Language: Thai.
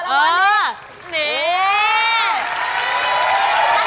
เออรางวัลนี้